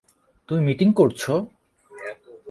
তুমি মিটিং করছ!